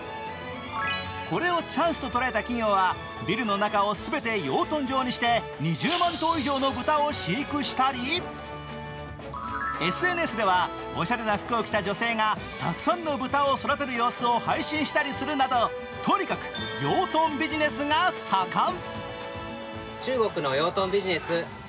これをチャンスと捉えた企業はビルの中を全て養豚場にして２０万頭以上の豚を飼育したり、ＳＮＳでは、おしゃれな服を着た女性がたくさんの豚を育てる様子を配信したりするなどとにかく養豚ビジネスが盛ん。